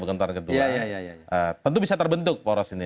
tentu bisa terbentuk poros ini